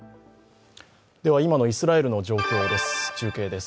今のイスラエルの状況です、中継です。